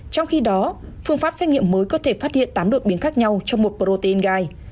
trong khi đó phương pháp xét nghiệm mới có thể phát hiện tám đột biến khác nhau trong một protein gai